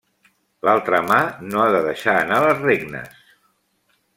L'altra mà no ha de deixar anar les regnes.